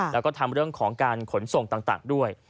แล้วก็ทำเรื่องของการขนส่งต่างด้วย